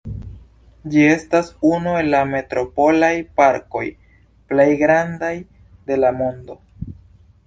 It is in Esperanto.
Ĝi estas unu el la metropolaj parkoj plej grandaj de la mondo.